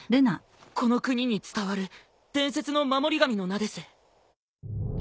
この国に伝わる伝説の守り神の名です。